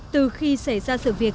từ khi xảy ra sự việc